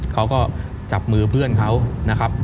เขาก็จับมือเพื่อนเขานะครับ